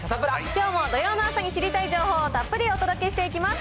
きょうも土曜の朝に知りたい情報をたっぷりお届けしていきます。